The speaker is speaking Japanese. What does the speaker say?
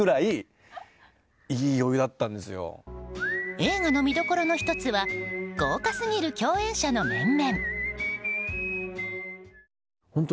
映画の見どころの１つは豪華すぎる共演者の面々。